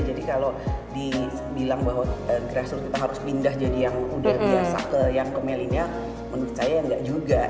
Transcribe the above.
jadi kalau dibilang bahwa grassroot kita harus pindah jadi yang udah biasa ke yang kemelinya menurut saya nggak juga